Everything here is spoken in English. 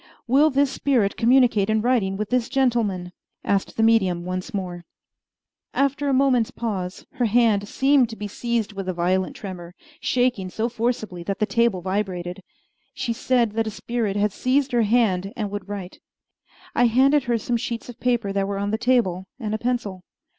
"Will this spirit communicate in writing with this gentleman?" asked the medium once more. After a moment's pause, her hand seemed to be seized with a violent tremor, shaking so forcibly that the table vibrated. She said that a spirit had seized her hand and would write. I handed her some sheets of paper that were on the table and a pencil.